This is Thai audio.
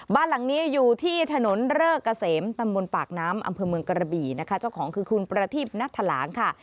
บ้านหลังนี้อยู่ที่ถนนเริกเกษมตำบลปากน้ำอำเภอเมืองกระบี่นะคะเจ้าของคือคุณประทีบนัทถลางค่ะ